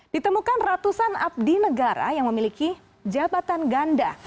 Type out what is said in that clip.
ditemukan ratusan abdi negara yang memiliki jabatan ganda